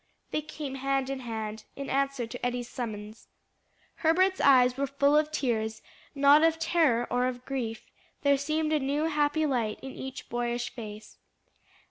They came hand in hand, in answer to Eddie's summons. Herbert's eyes were full of tears, not of terror or grief; there seemed a new happy light in each boyish face.